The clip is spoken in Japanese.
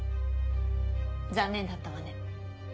残念だったわね。